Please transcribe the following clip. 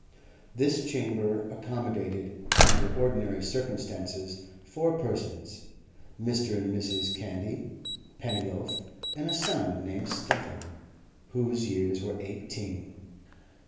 This chamber accommodated, under ordinary circumstances, four persons: Mr. and Mrs. Candy, Pennyloaf, and a son named Stephen, whose years were eighteen.